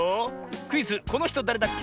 クイズ「このひとだれだっけ？」